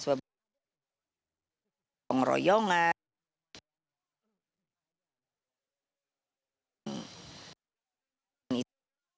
ada umrah yang uev